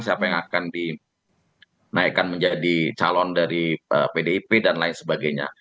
siapa yang akan dinaikkan menjadi calon dari pdip dan lain sebagainya